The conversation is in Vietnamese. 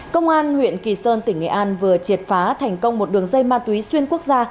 công an huyện kỳ sơn tỉnh nghệ an vừa triệt phá thành công một đường dây ma túy xuyên quốc gia